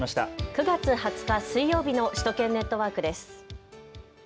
９月２０日水曜日の首都圏ネットワークです。